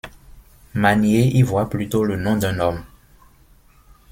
Mannier y voit plutôt le nom d'un homme.